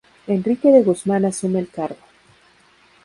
Enrique de Guzmán asume el cargo.